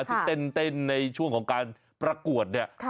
ที่เต้นในช่วงของการประกวดเนี่ย